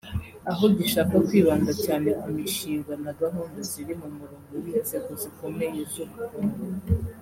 aho gishaka kwibanda cyane ku mishinga na gahunda ziri mu murongo w’inzego zikomeye z’ubukungu